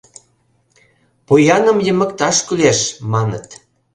Пояным йымыкташ кӱлеш, маныт.